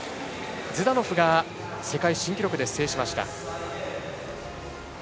ズダノフが世界新記録で制しました。